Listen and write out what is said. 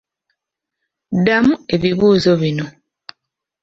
Ddamu ebibuuzo bino.